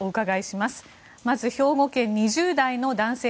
まず兵庫県２０代の男性。